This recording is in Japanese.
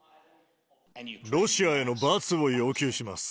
ロシアへの罰を要求します。